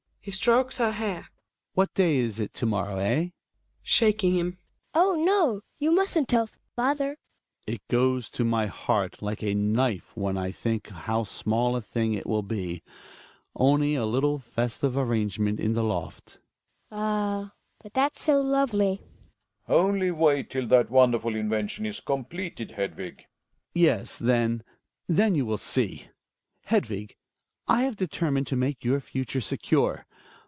(He strokes her hair.) What day is it to morrow, eh ? Hedvig (shaking him). Oh, no, you musn't tell, father. Hjalmar. It goes to my heart like a knife when I think how small a thing it will be; only a little festive arrangement in the loft Hedvig. Ah ! but that's so lovely ! Relling. Only wait till that wonderful invention is completed, Hedvig ! Hjalmar. Yes, then — then you will see !— Hedvig, I have determined to make your future secure.